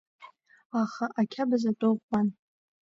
Аха ақьабз атәы ӷәӷәан.